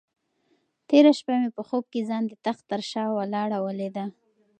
تېره شپه مې په خوب کې ځان د تخت تر شا ولاړه ولیده.